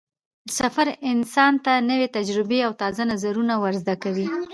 سفر انسان ته نوې تجربې او تازه نظرونه ور زده کوي